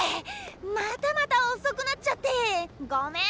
またまた遅くなっちゃってごめんごめん。